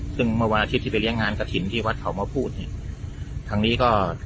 ซึ่งเมื่อวันอาทิตย์ที่ไปเลี้ยงงานกระถิ่นที่วัดเขามาพูดเนี่ยทางนี้ก็